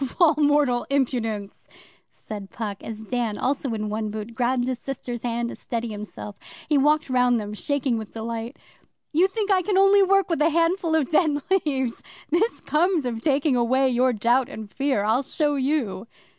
'E eh? Of all mortal impudence!' said Puck, as Dan, also in one boot, grabbed his sister's hand to steady himself. He walked round them, shaking with delight. 'You think I can only work with a handful of dead leaves? This comes of taking away your Doubt and Fear! I'll show you!